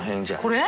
これ？